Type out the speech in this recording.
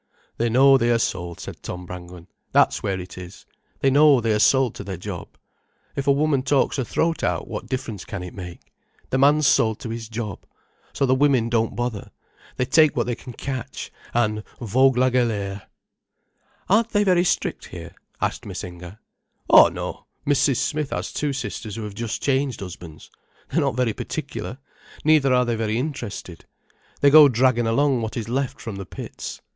"They know they are sold," said Tom Brangwen. "That's where it is. They know they are sold to their job. If a woman talks her throat out, what difference can it make? The man's sold to his job. So the women don't bother. They take what they can catch—and vogue la galère." "Aren't they very strict here?" asked Miss Inger. "Oh, no. Mrs. Smith has two sisters who have just changed husbands. They're not very particular—neither are they very interested. They go dragging along what is left from the pits.